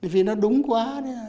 vì nó đúng quá